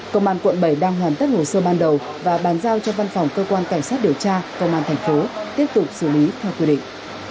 công an quận bảy đang hoàn tất hồ sơ ban đầu và bàn giao cho văn phòng cơ quan cảnh sát điều tra công an thành phố tiếp tục xử lý theo quy định